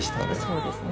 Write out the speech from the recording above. そうですね。